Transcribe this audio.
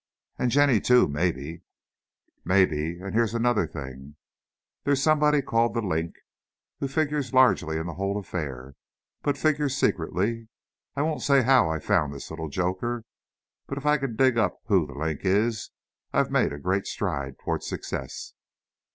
"And Jenny, too, maybe." "Maybe. And here's another thing. There's somebody called 'The Link,' who figures largely in the whole affair, but figures secretly. I won't say how I found this little joker, but if I can dig up who 'The Link' is, I've made a great stride toward success."